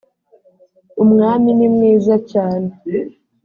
umwami nimwiza cyane